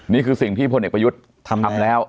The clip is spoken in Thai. นี่คือสิ่งที่พลเอกประยุทธ์ทำแล้ว